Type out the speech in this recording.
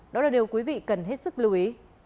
đó là điều quý vị cần hết sức lưu ý